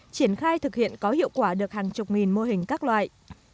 triển khai thực hiện có hiệu quả được hàng chục nghìn mô hình các loại